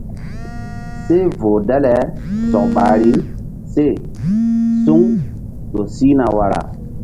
Seh voh dale sɔk ɓahri se suŋ ƴo sihna wara.